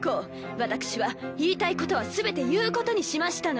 私は言いたいことは全て言うことにしましたの。